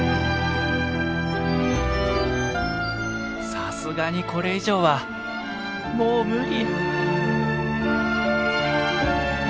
さすがにこれ以上はもう無理。